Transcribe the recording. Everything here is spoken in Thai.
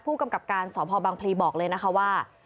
ผู้กำกับการสพบังพลีบอกเลยนะคะว่า